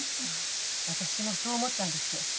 私もそう思ったんです。